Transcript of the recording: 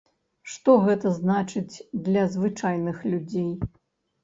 Што гэта значыць для звычайных людзей?